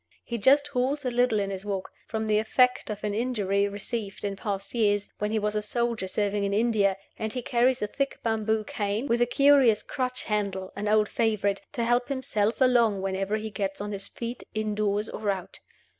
He just halts a little in his walk, from the effect of an injury received in past years, when he was a soldier serving in India, and he carries a thick bamboo cane, with a curious crutch handle (an old favorite), to help himself along whenever he gets on his feet, in doors or out.